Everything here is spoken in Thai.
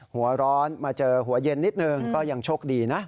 หัวร้อนมาเจอหัวเย็นนิดนึงก็ยังโชคดีนะ